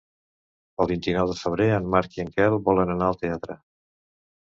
El vint-i-nou de febrer en Marc i en Quel volen anar al teatre.